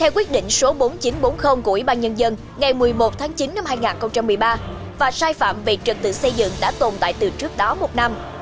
quyết định số bốn nghìn chín trăm bốn mươi của ủy ban nhân dân ngày một mươi một tháng chín năm hai nghìn một mươi ba và sai phạm về trật tự xây dựng đã tồn tại từ trước đó một năm